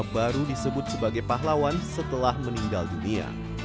baru disebut sebagai pahlawan setelah meninggal dunia